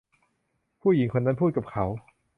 ผู้หญิงคนนั้นพูดกับเขา